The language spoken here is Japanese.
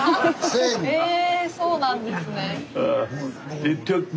えそうなんですね。